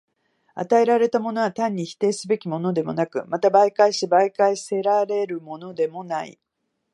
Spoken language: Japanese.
与えられたものは単に否定すべきものでもなく、また媒介し媒介せられるものでもない。